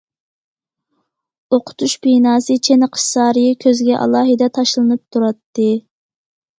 ئوقۇتۇش بىناسى، چېنىقىش سارىيى كۆزگە ئالاھىدە تاشلىنىپ تۇراتتى.